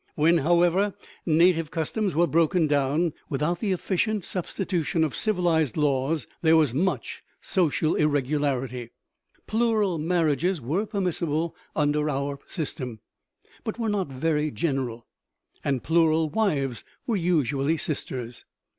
When, however, native customs were broken down without the efficient substitution of civilized laws, there was much social irregularity. Plural marriages were permissible under our system, but were not very general, and plural wives were usually sisters.